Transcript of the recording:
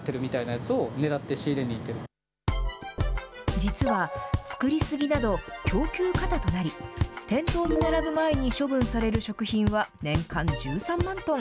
実は作り過ぎなど、供給過多となり、店頭に並ぶ前に処分される食品は年間１３万トン。